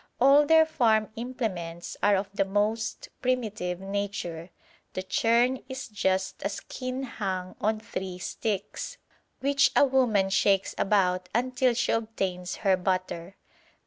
All their farm implements are of the most primitive nature; the churn is just a skin hung on three sticks, which a woman shakes about until she obtains her butter.